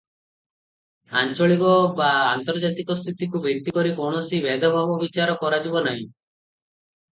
ଆଞ୍ଚଳିକ ବା ଆନ୍ତର୍ଜାତିକ ସ୍ଥିତିକୁ ଭିତ୍ତି କରି କୌଣସି ଭେଦାଭେଦ ବିଚାର କରାଯିବ ନାହିଁ ।